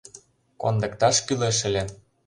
Кондыкташ кӱлеш ыле!